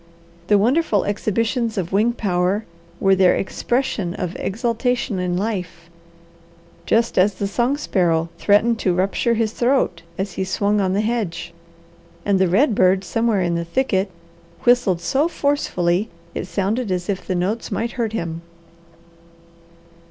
The wonderful exhibitions of wing power were their expression of exultation in life, just as the song sparrow threatened to rupture his throat as he swung on the hedge, and the red bird somewhere in the thicket whistled so forcefully it sounded as if the notes might hurt him.